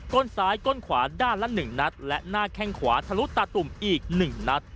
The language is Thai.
้นซ้ายก้นขวาด้านละ๑นัดและหน้าแข้งขวาทะลุตาตุ่มอีก๑นัด